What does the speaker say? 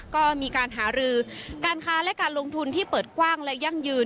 ก็มีการหารือการค้าและการลงทุนที่เปิดกว้างและยั่งยืน